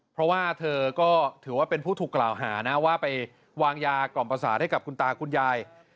เพราะว่าเธอก็ถือว่าเป็นผู้ถูกกล่าวหานะว่าไปวางยากล่อมประสาทให้กับคุณตาคุณยาย